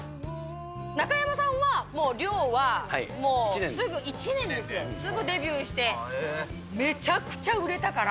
中山さんはもう寮はもう、すぐ１年ですよ、すぐデビューして、めちゃくちゃ売れたから。